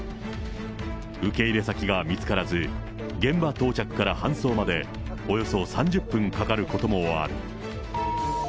受け入れ先が見つからず、現場到着から搬送まで、およそ３０分かかることもある。